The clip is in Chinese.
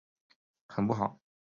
很不好！